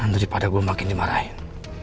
daripada gue makin dimarahin